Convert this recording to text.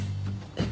えっ？